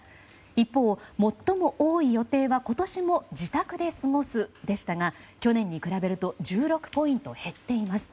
一方、最も多い予定は今年も自宅で過ごすでしたが去年に比べると１６ポイント減っています。